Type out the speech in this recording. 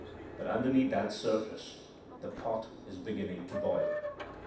But underneath that surface the pot is beginning to boil.